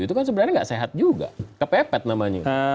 itu kan sebenarnya nggak sehat juga kepepet namanya